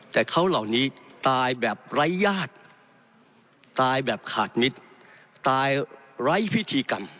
แต่เขาเหล่านี้ตายแบบไร้ญาติตายแบบขาดมิตรตายไร้พิธีกรรม